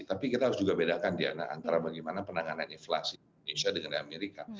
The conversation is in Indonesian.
tapi kita harus juga bedakan diana antara bagaimana penanganan inflasi indonesia dengan amerika